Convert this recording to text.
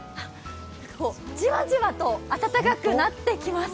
じわじわと温かくなってきます。